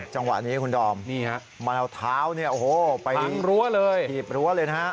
จังหวะนี้คุณดอมมันเอาเท้าไปหยีบรั้วเลยนะ